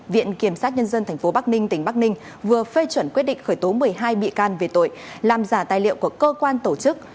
viện kiểm sát nhân dân tp bắc ninh tỉnh bắc ninh vừa phê chuẩn quyết định khởi tố một mươi hai bị can về tội làm giả tài liệu của cơ quan tổ chức